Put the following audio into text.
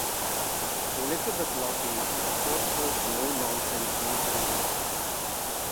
Elizabeth Lochley is a forceful, no-nonsense military leader.